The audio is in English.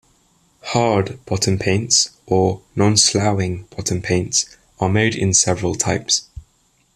"Hard" bottom paints, or "nonsloughing" bottom paints, are made in several types.